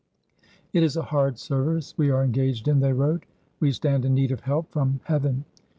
"It is a hard service we are engaged in," they wrote; "we stand in need of help from Heaven."